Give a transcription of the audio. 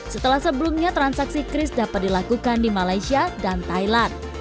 setelah sebelumnya transaksi kris dapat dilakukan di malaysia dan thailand